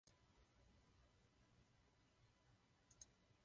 Bohužel Evropská unie neodolala a přidala k dohodě ochrannou doložku.